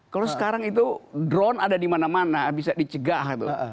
kalau sekarang itu drone ada di mana mana bisa dicegah gitu